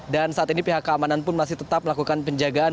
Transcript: dan saat ini pihak keamanan pun masih tetap melakukan penjagaan